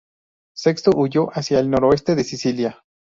Sexto huyó hacia el noroeste de Sicilia.